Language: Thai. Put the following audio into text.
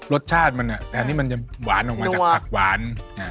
รสชาติมันอันนี้มันจะหวานออกมาจากผักหวาน